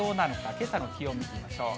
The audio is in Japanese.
けさの気温、見ていきましょう。